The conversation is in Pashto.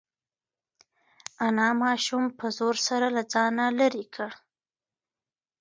انا ماشوم په زور سره له ځانه لرې کړ.